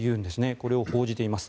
これを報じています。